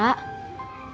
kita bisa bekerja